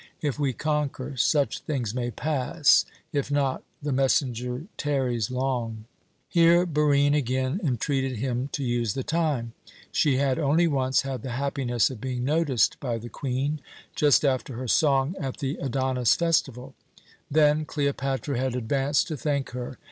If we conquer, such things may pass; if not The messenger tarries long " Here Barine again entreated him to use the time. She had only once had the happiness of being noticed by the Queen just after her song at the Adonis festival. Then Cleopatra had advanced to thank her.